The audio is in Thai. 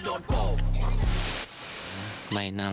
เดี๋ยวจะโดนโป่ง